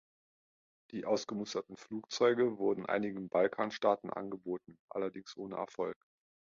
Die ausgemusterten Flugzeuge wurden einigen Balkanstaaten angeboten, allerdings ohne Erfolg.